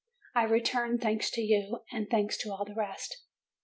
I return thanks to you, and thanks to all the rest.